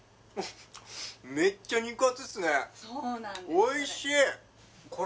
おいしい！